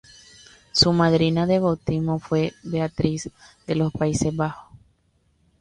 Su madrina de bautismo fue Beatriz de los Países Bajos.